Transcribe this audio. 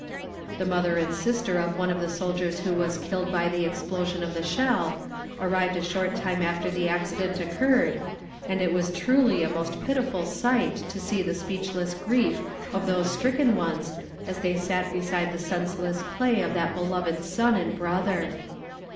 The mother and sister of one of the soldiers who was killed by the explosion of the shell arrived a short time after the accident occurred, and it was truly a most pitiful sight to see the speechless grief of those stricken ones as they sat beside the senseless clay of that beloved son and brother.